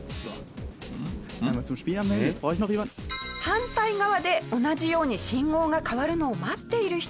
反対側で同じように信号が変わるのを待っている人を発見。